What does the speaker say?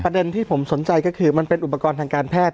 ที่ผมสนใจก็คือมันเป็นอุปกรณ์ทางการแพทย์